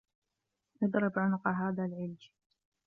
اضْرِبْ عُنُقَ هَذَا الْعِلْجِ